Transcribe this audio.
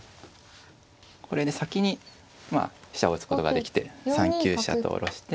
これで先に飛車を打つことができて３九飛車と下ろして。